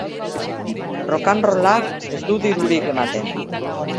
Rockanrollak ez du dirurik ematen.